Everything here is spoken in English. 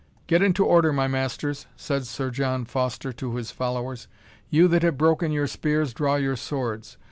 "Get into order, my masters," said Sir John Foster to his followers; "you that have broken your spears, draw your swords.